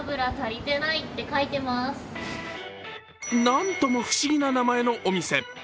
なんとも不思議な名前のお店。